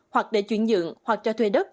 hoặc để chuyển nhượng hoặc cho thuê đất